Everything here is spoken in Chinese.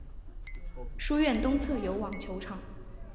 书院东侧有网球场。